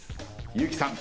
結木さん。